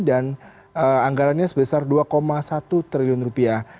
dan anggarannya sebesar dua satu triliun rupiah